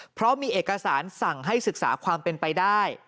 เพราะมีเอกสารสั่งให้ศึกษาความเป็นไปได้